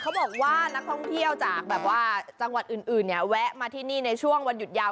เขาบอกว่านักท่องเที่ยวจากแบบว่าจังหวัดอื่นเนี่ยแวะมาที่นี่ในช่วงวันหยุดยาว